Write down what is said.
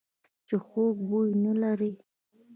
چې خوږ بوی نه لري .